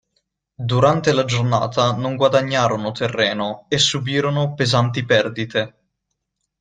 Durante la giornata non guadagnarono terreno e subirono pesanti perdite.